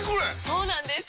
そうなんです！